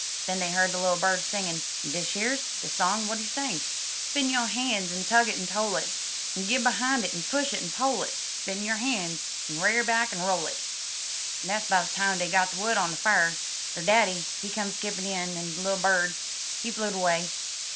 Den dey hear de little bird singin*, en dish yer's de song w*at he sing: '* 'Spit in yo' han's en tug it en toll it. En git behine it, en push it, en pole it; Spit in yo* ban's en r'ar back en roll it/ *'En des 'bout de time dey got de wood on de fier, der daddy, he come skippin' in, en de little bird, he flew'd away.